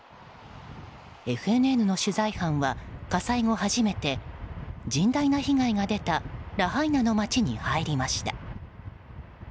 ＦＮＮの取材班は火災後初めて甚大な被害が出たラハイナの街に入りました。